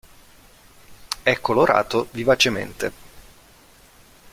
È colorato vivacemente.